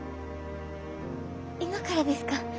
今からですか？